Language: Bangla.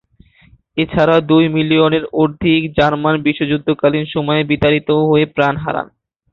এছাড়াও, দুই মিলিয়নেরও অধিক জার্মান বিশ্বযুদ্ধকালীন সময়ে বিতাড়িত হয়ে প্রাণ হারান।